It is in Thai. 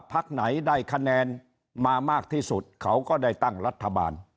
พักไหนได้คะแนนมามากที่สุดเขาก็ได้ตั้งรัฐบาล